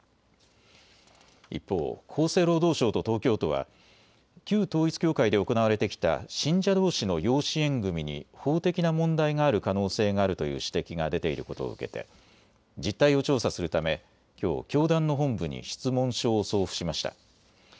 一方、厚生労働省と東京都は旧統一教会で行われてきた信者どうしの養子縁組みに法的な問題がある可能性があるという指摘が出ていることを受けて実態を調査するため、きょう教団の本部に質問書を送付しました。